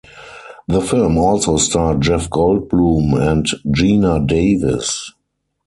The film also starred Jeff Goldblum and Geena Davis.